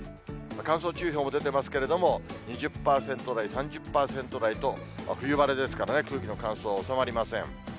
乾燥注意報も出てますけれども、２０％台、３０％台と冬晴れですからね、空気の乾燥、収まりません。